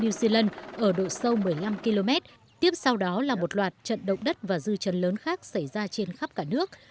new zealand ở độ sâu một mươi năm km tiếp sau đó là một loạt trận động đất và dư chấn lớn khác xảy ra trên khắp cả nước